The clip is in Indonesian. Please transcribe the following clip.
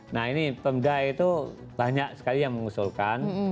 nah ini pemda itu banyak sekali yang mengusulkan